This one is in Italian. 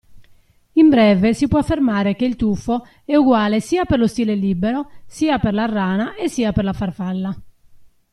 In beve si può affermare che il tuffo è uguale sia per lo stile libero, sia per la rana e sia per la farfalla.